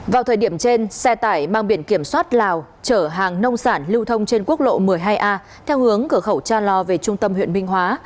vào thời điểm trên xe tải mang biển kiểm soát lào chở hàng nông sản lưu thông trên quốc lộ một mươi hai a theo hướng cửa khẩu cha lo về trung tâm huyện minh hóa